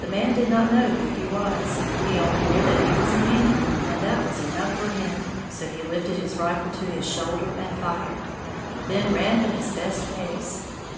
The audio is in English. The man did not know who he was. He only knew that he was an Indian, and that was enough for him, so he lifted his rifle to his shoulder and fired, then ran at his best pace.